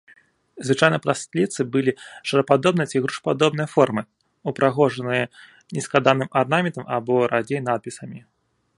Звычайна прасліцы былі шарападобнай ці грушападобнай формы, упрыгожаныя нескладаным арнаментам або, радзей, надпісамі.